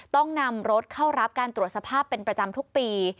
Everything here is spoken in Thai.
ต้องนำรถเข้ารับการตรวจสภาพเป็นประจำทุกปี